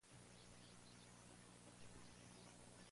Artículos" en ruso.